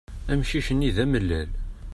Amcic-nni d amellal.